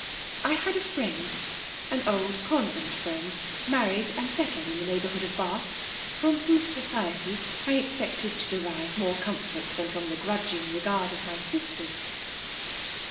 I had a friend, an old convent friend, married and settled in the neighbourhood of Bath, from whose society I expected to derive more com part than from the grudging regard of my sisters.